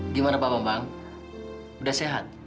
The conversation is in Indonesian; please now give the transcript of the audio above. gimana pak bambang udah sehat